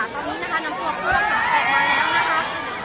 ตอนนี้นะคะน้ำตัวเผื้อผ๔๑มั่นแล้วนะคะ